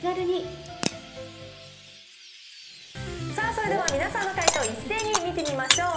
それではみなさんの解答、一斉に見てみましょう。